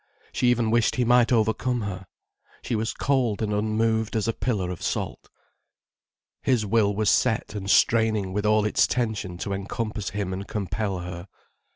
She even wished he might overcome her. She was cold and unmoved as a pillar of salt. His will was set and straining with all its tension to encompass him and compel her.